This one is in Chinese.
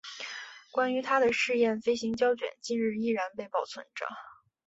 关于他的试验飞行胶卷今日依然被保存着。